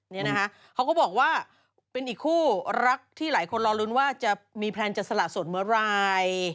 นี่นะคะเขาก็บอกว่าเป็นอีกคู่รักที่หลายคนรอลุ้นว่าจะมีแพลนจะสละสดเมื่อไหร่